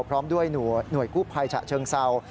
พร้อมด้วยหน่วยกู้ภัยฉะเชิงเศร้า